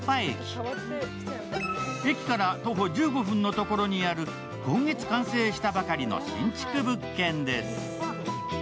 駅から徒歩１５分のところにある今月完成したばかりの新築物件です。